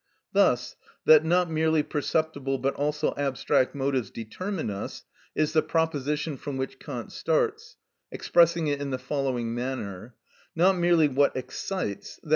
Thus, that not merely perceptible but also abstract motives determine us, is the proposition from which Kant starts, expressing it in the following manner: "Not merely what excites, _i.